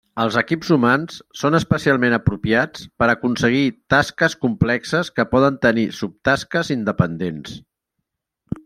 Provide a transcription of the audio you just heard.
Els equips humans són especialment apropiats per aconseguir tasques complexes que poden tenir subtasques independents.